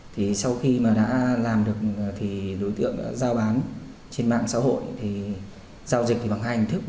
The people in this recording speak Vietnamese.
thì sau khi mà đã làm được thì đối tượng đã giao bán trên mạng xã hội thì giao dịch thì bằng hai hình thức